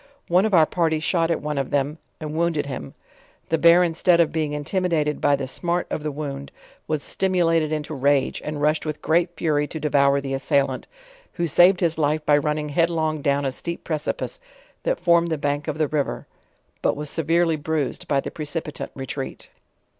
One of our party shot at one of them, and wounded him, the bear in stead of being intimidated by the smart of the wound, was stimulated into rage, and rushed with great fury to devour the assailant, who savpd his life by running headlong down a steep precipice, that formed the bank of the river; but was severely bruised by the precipitant retreat.